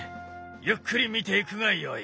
ゆっくり見ていくがよい。